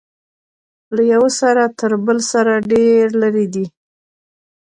له یوه سر تر بل سر ډیر لرې دی.